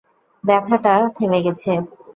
ব্যথাটা থেমে গেছে।